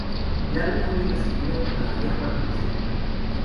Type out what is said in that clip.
El álbum fue bien recibido en la mayor parte de círculos.